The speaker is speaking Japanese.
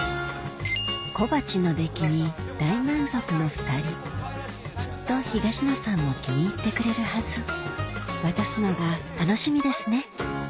小鉢の出来に大満足の２人きっと東野さんも気に入ってくれるはず渡すのが楽しみですね